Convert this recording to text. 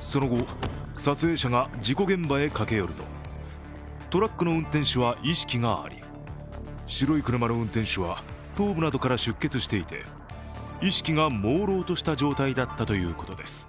その後、撮影者が事故現場へ駆け寄るとトラックの運転手は意識があり、白い車の運転手は頭部などから出血していて意識がもうろうとした状態だったということです。